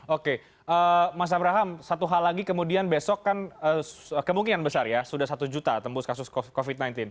oke mas abraham satu hal lagi kemudian besok kan kemungkinan besar ya sudah satu juta tembus kasus covid sembilan belas